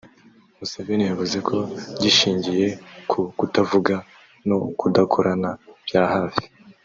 Museveni yavuze ko gishingiye ku kutavugana no kudakorana bya hafi